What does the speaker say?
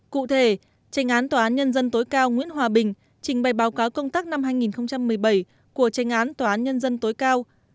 cụ thể tranh án tòa án nhân dân tối cao nguyễn hòa bình trình bày báo cáo công tác năm hai nghìn một mươi bảy của tranh án tòa án nhân dân tối cao